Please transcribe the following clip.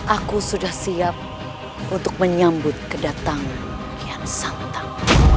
aku sudah siap untuk menyambut kedatangan kian santap